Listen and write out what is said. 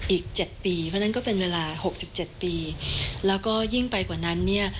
อีก๗ปีเพราะฉะนั้นก็เป็นเวลา๖๗ปีแล้วก็ยิ่งไปกว่านั้นเนี่ย